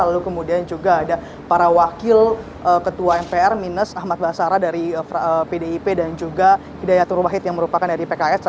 lalu kemudian juga ada para wakil ketua mpr minus ahmad basara dari pdip dan juga hidayat nur wahid yang merupakan dari pks